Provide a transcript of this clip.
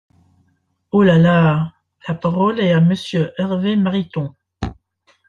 Oh là là ! La parole est à Monsieur Hervé Mariton.